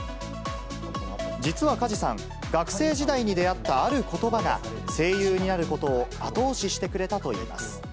実は梶さん、学生時代に出会ったあることばが、声優になることを後押ししてくれたといいます。